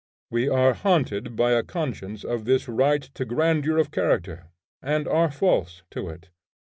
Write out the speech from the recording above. We are haunted by a conscience of this right to grandeur of character, and are false to it.